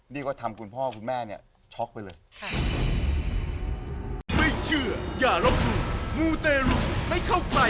นี่ก็ทำคุณพ่อคุณแม่เนี่ยช็อกไปเลย